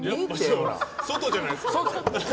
外じゃないですか。